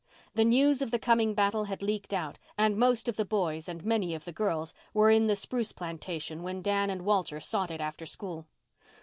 The news of the coming battle had leaked out and most of the boys and many of the girls were in the spruce plantation when Dan and Walter sought it after school.